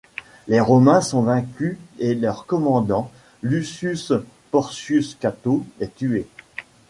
Les Romains sont vaincus et leur commandant, Lucius Porcius Cato, est tué.